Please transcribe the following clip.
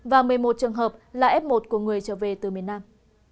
và một mươi một trường hợp là f một của người trở về từ miền nam